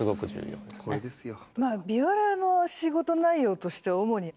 これですよ。